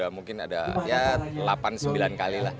mungkin ada ya delapan sembilan kali lah